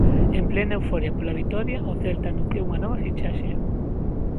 En plena euforia pola vitoria, o Celta anunciou unha nova fichaxe.